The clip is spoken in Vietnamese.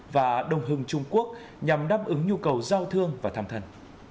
và đồng hưng trung quốc nhằm đáp ứng nhu cầu giao thương và tham thân